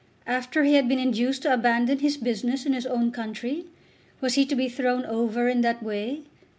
After he had been induced to abandon his business in his own country, was he to be thrown over in that way?